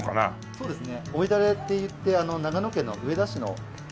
そうですね。